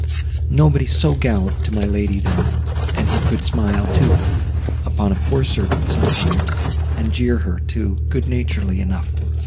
Nobody so gallant to my lady, then; and he could smile, too, upon a poor servant, sometimes, and jeer her, too, good naturedly enough.